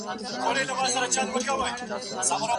ګڼو خلګو اوږد ډنډ نه و ړنګ کړی.